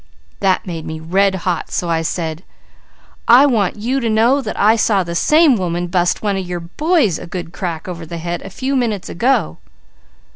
"That made me red hot so I said: 'I want you to know that I saw the same woman bust one of your boys a good crack, over the head, a few minutes ago.'